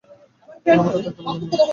কোনোমতেই থাকতে পারলুম না।